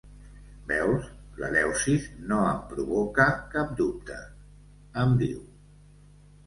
Veus, l'Eleusis no em provoca cap dubte —em diu—.